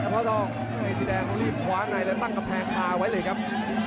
พ่อทองกางเกงสีแดงรีบขวาในแล้วตั้งกำแพงคาไว้เลยครับ